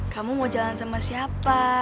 kamu mau jalan sama siapa